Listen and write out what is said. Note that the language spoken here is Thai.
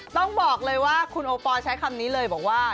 ต้องบอกเลยว่าคุณโอปอลใช้คำนี้เลยบอกว่า